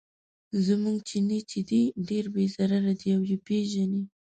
زموږ چیني چې دی ډېر بې ضرره دی او یې پیژني.